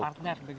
partner begitu ya